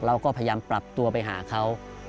เราก็พยายามปรับตัวไปหาเขา